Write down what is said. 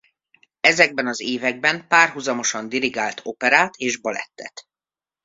Ezekben az években párhuzamosan dirigált operát és balettet.